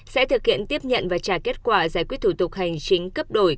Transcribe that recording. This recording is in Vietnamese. sẽ thực hiện tiếp nhận và trả kết quả giải quyết thủ tục hành chính cấp đổi